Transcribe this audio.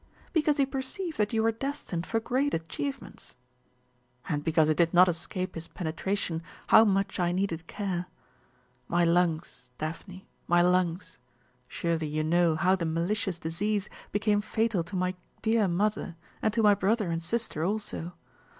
"Because he perceived that you were destined for great achievements." "And because it did not escape his penetration how much I needed care. My lungs, Daphne, my lungs surely you know how the malicious disease became fatal to my clear mother, and to my brother and sister also.